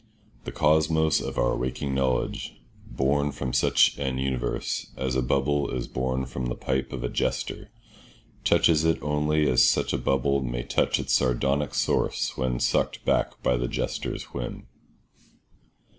The cosmos of our waking knowledge, born from such an universe as a bubble is born from the pipe of a jester, touches it only as such a bubble may touch its sardonic source when sucked back by the jester's whim.